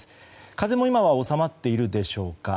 風も今は収まっているでしょうか。